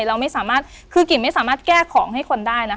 เราไม่สามารถคือกิ่งไม่สามารถแก้ของให้คนได้นะคะ